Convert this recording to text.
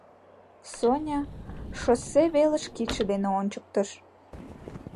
Соня шоссе велыш кидше дене ончыктыш.